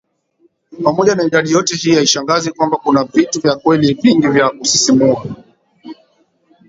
Pamoja na idadi yote hii haishangazi kwamba kuna vitu vya kweli vingi vya kusisimua